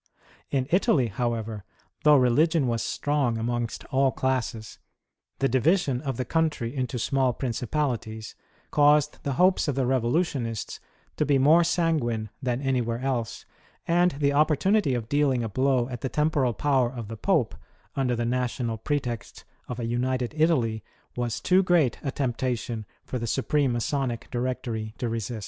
In Italy, however, though religion was strong amongst all classes, the division of the country into small principalities caused the hopes of the revolutionists to be more sanguine than anywhere else, and the opportunity of dealing a blow at the temporal power of the Pope under the national pretext of a united Italy, was too great a temptation for the Supreme Masonic Directory to resist.